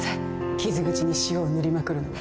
傷口に塩を塗りまくるのは